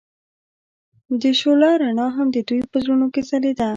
د شعله رڼا هم د دوی په زړونو کې ځلېده.